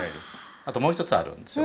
あともう一つあるんですよ